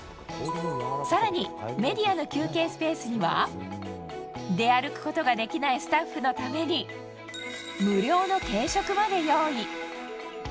更にメディアの休憩スペースには出歩くことができないスタッフのために無料の軽食まで用意。